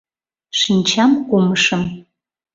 Шинчам кумышым.